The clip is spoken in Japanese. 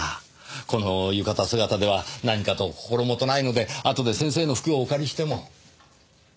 この浴衣姿では何かと心もとないのであとで先生の服をお借りしても？